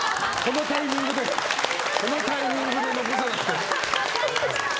このタイミングで残さなくて！